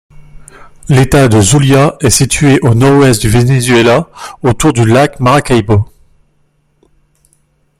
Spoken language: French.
L'État de Zulia est situé au nord-ouest du Venezuela, autour du lac Maracaibo.